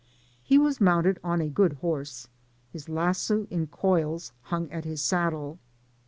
He was moimted on a good horse, his lasso in coils hung at his saddle.